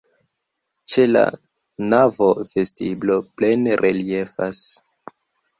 Ĉe la navo vestiblo plene reliefas.